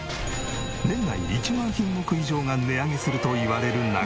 年内に１万品目以上が値上げするといわれる中。